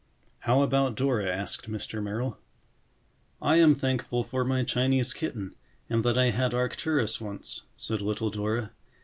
"How about Dora?" asked Mr. Merrill. "I am thankful for my Chinese kitten and that I had Arcturus once," said little Dora.